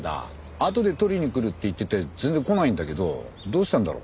あとで取りに来るって言ってて全然来ないんだけどどうしたんだろう？